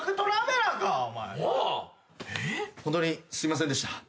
ホントにすいませんでした。